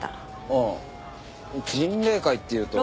ああ迅嶺会っていうと。